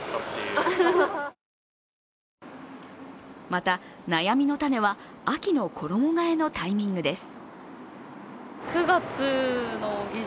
また、悩みの種は秋の衣がえのタイミングです。